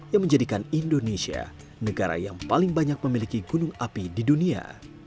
yang menjadikan indonesia negara yang paling banyak memiliki gunung api di dunia